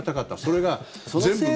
それが全部。